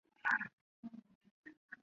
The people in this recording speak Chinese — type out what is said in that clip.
邓弘的哥哥邓骘等人仍辞不受。